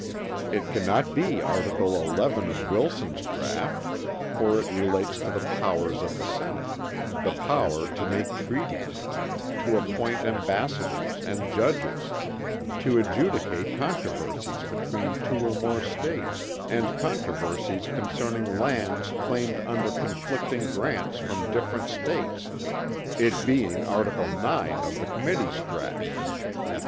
It cannot be Article XI of Wilson's draught for it relates to the powers of the Senate, the power to make treaties, to appoint ambassadors and judges, to adjudicate controversies between two or more States, and controversies concerning lands claimed under conflicting grants from different States, it being article IX of the Committee's draught.